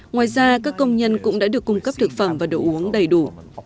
ngoài ra các công nhân cũng đã được cung cấp thực phẩm và đồ uống đầy đủ